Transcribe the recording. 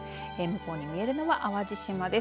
向こうに見えるのは淡路島です。